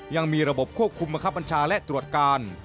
ยังมีระบบควบคุมบังคับบัญชาและตรวจการ